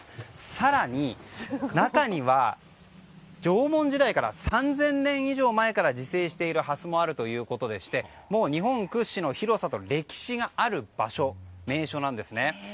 更に、中には縄文時代から３０００年以上前から自生しているハスもあるということでしてもう日本屈指の広さと歴史がある場所、名所なんですね。